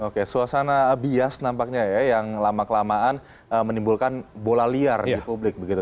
oke suasana bias nampaknya ya yang lama kelamaan menimbulkan bola liar di publik begitu